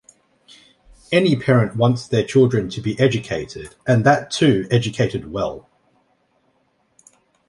Any parent wants their children to be educated and that too educated well.